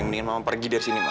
mendingan mama pergi dari sini